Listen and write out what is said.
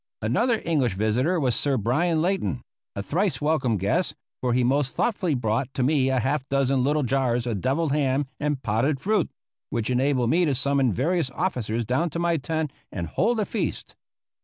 Another English visitor was Sir Bryan Leighton, a thrice welcome guest, for he most thoughtfully brought to me half a dozen little jars of devilled ham and potted fruit, which enabled me to summon various officers down to my tent and hold a feast.